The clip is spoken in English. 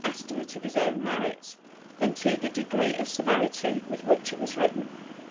estimate of his own merits than to the degree of severity with which it was written.